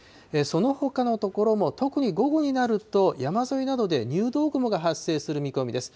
そのほかの所も、特に午後になると、山沿いなどで入道雲が発生する見込みです。